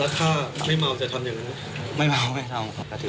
แล้วค่ะแล้วค่ะไม่เม้าจะทำอย่างนั้นหรอ